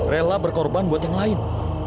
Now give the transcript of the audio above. rela berkorban buat yang lain